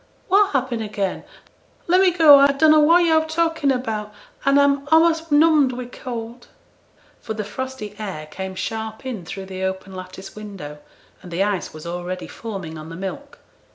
'What happen again? Let me go, I dunno what yo're talking about, and I'm a'most numbed wi' cold.' For the frosty air came sharp in through the open lattice window, and the ice was already forming on the milk.